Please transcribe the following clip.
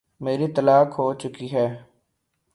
میری طلاق ہو چکی ہے۔